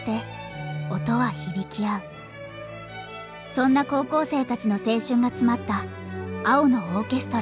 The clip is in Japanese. そんな高校生たちの青春が詰まった「青のオーケストラ」。